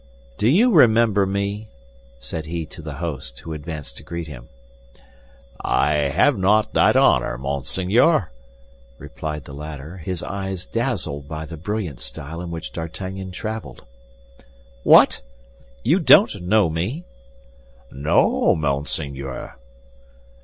"Do you remember me?" said he to the host, who advanced to greet him. "I have not that honor, monseigneur," replied the latter, his eyes dazzled by the brilliant style in which D'Artagnan traveled. "What, you don't know me?" "No, monseigneur."